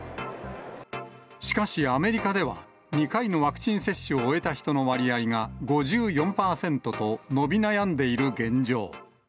しかしアメリカでは、２回のワクチン接種を終えた人の割合が５４％と伸び悩んでいる現状。